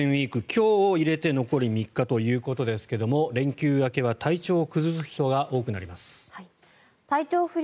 今日入れて残り３日ということですが連休明けは体調を崩す人が多くなります。